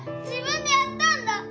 自分でやったんだ。